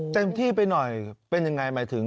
เต็มที่ไปหน่อยเป็นยังไงหมายถึง